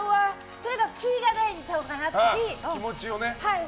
とにかく気が大事ちゃうかなって。